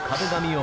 を